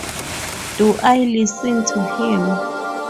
Do I listen to him?